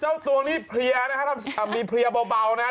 เจ้าตัวนี้เพลียนะฮะทำมีเพลียเบานะครับ